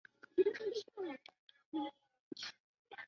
孔令贻和侧室王宝翠育有二女一子。